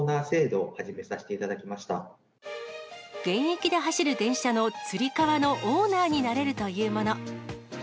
現役で走る電車のつり革のオーナーになれるというもの。